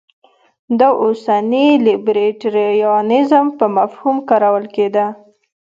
دا اوسني لیبرټریانیزم په مفهوم کارول کېده.